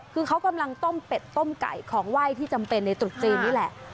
คือเขากำลังต้มเป็ดต้มไก่ของไหว้ที่จำเป็นในตรุษจีนนี่แหละ